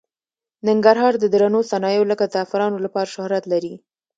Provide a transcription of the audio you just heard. ننګرهار د درنو صنایعو لکه زعفرانو لپاره شهرت لري.